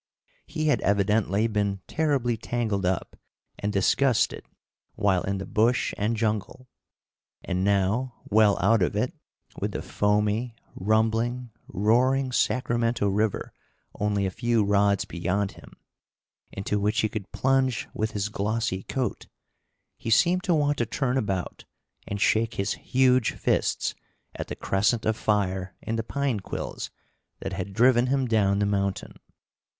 He had evidently been terribly tangled up and disgusted while in the bush and jungle, and now, well out of it, with the foamy, rumbling, roaring Sacramento River only a few rods beyond him, into which he could plunge with his glossy coat, he seemed to want to turn about and shake his huge fists at the crescent of fire in the pine quills that had driven him down the mountain.